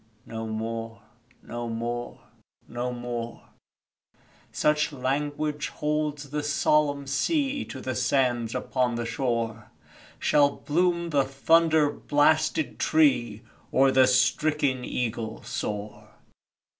No more no more no more (Such language holds the solomn sea To the sands upon the shore) Shall bloom the thunder blasted tree, Or the stricken eagle soar!